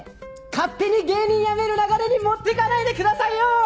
勝手に芸人辞める流れに持ってかないでくださいよ！